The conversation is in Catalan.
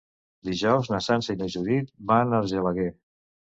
Dijous na Sança i na Judit van a Argelaguer.